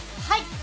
はい。